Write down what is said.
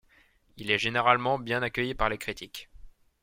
Il est généralement bien accueilli par les critiques.